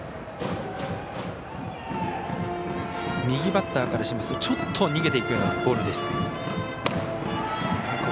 右バッターからしますとちょっと逃げていくようなボール。